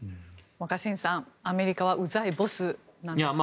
若新さん、アメリカはうざいボスなんですね。